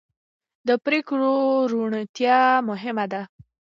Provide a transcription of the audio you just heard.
د پرېکړو روڼتیا مهمه ده